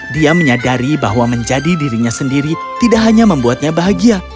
dia menyadari bahwa menjadi dirinya sendiri tidak hanya membuatnya bahagia